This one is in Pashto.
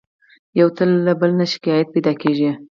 يو ته له بل نه شکايت پيدا کېږي.